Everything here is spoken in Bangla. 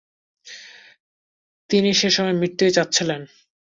তিনি সে সময় মৃত্যুই চাচ্ছিলেন।